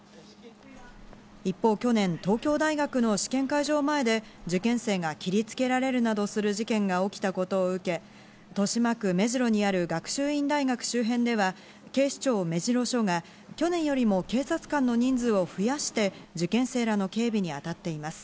一方去年、東京大学の試験会場前で受験生が切りつけられるなどする事件が起きたことを受け、豊島区・目白にある学習院大学周辺では、警視庁・目白署が去年よりも警察官の人数を増やして受験生らの警備に当たっています。